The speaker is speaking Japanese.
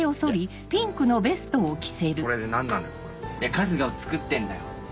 春日をつくってんだよ。